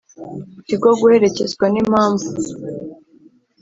kigomba guherekezwa n impamvu